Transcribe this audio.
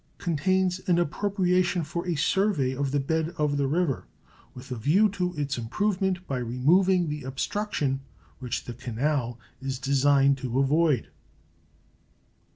contains an appropriation for a survey of the bed of the river, with a view to its improvement by removing the obstruction which the canal is designed to avoid.